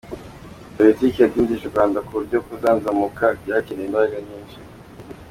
Politiki yadindije u Rwanda ku buryo kuzanzamuuka byakeneye imbaraga nyinshi.